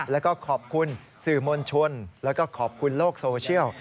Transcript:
แล้วก็ขอบคุณสื่อมวลชนแล้วก็ขอบคุณโลกโซเชียล